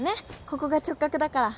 ここが直角だから。